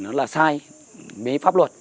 nó là sai với pháp luật